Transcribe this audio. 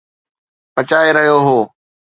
پچائي رهيو هو